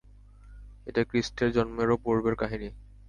এটা ক্রিস্টের জন্মেরও পূর্বের কাহিনী।